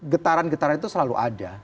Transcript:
getaran getaran itu selalu ada